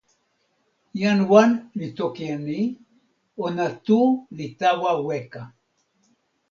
jan wan li toki e ni: ona tu li tawa weka.